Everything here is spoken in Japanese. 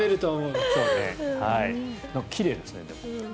でも奇麗ですね。